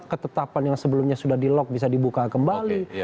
ketetapan yang sebelumnya sudah di lock bisa dibuka kembali